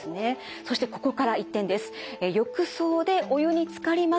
そしてここから一転です。